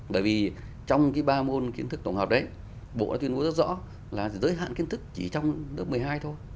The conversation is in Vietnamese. bởi vì trong ba môn kiến thức tổng hợp đấy bộ đã tuyên bố rất rõ là giới hạn kiến thức chỉ trong lớp một mươi hai thôi